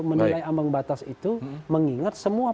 karena kita harus mengatakan kepentingan kita